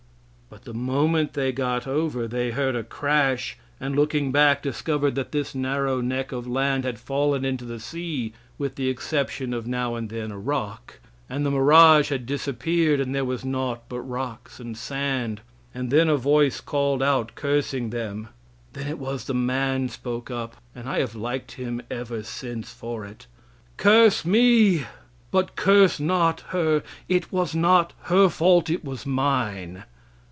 But the moment they got over they heard a crash, and, looking back, discovered that this narrow neck of land had fallen into the sea, with the exception of now and then a rock, and the mirage had disappeared and there was naught but rocks and sand; and then a voice called out, cursing them. Then it was that the man spoke up and I have liked him ever since for it "Curse me, but curse not her; it was not her fault, it was mine."